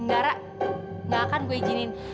enggak ra gak akan gue izinin